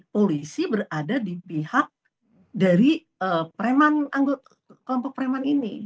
polisi berada di pihak dari preman kelompok preman ini